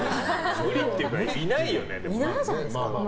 無理っていうか、いないよね。